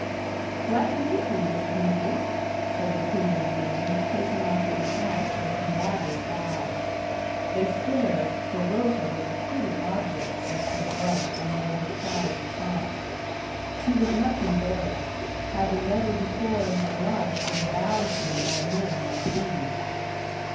"Glad to meet you, Mrs. Minetti," said the two young men, taking off their hats with elaborate bows; they stared, for Rosa was a pretty object as she blushed and made her shy response. She was much embarrassed, having never before in her life been bowed to by men like these.